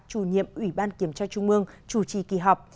chủ nhiệm ủy ban kiểm tra trung ương chủ trì kỳ họp